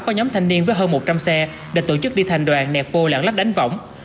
có nhóm thanh niên với hơn một trăm linh xe đã tổ chức đi thành đoàn nẹp vô lãng lách đánh võng